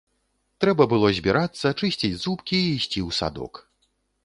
Трэба было збірацца, чысціць зубкі і ісці ў садок.